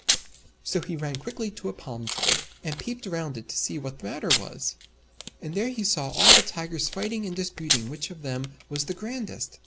So he ran quickly to a palm tree, And peeped round it to see what the matter was. And there he saw all the Tigers fighting and disputing which of them was the grandest.